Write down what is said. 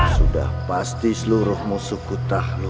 sudah pasti seluruh musuh kutah